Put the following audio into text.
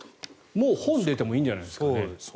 もう本が出てもいいんじゃないですかね。